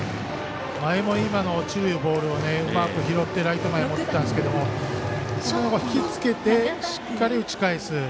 前のも今の落ちるボールをうまく拾ってライト前に持っていったんですけど引き付けてしっかり打ち返す。